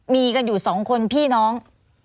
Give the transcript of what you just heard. มีกันอยู่สองคนพี่น้อง